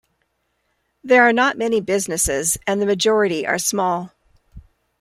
There are not many businesses, and the majority are small.